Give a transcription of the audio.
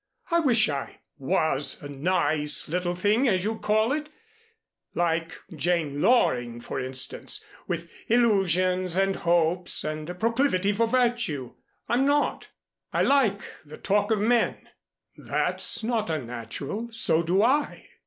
I wish I was a 'nice little thing' as you call it, like Jane Loring for instance, with illusions and hopes and a proclivity for virtue. I'm not. I like the talk of men " "That's not unnatural so do I."